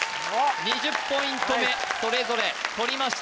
２０ポイント目それぞれ取りました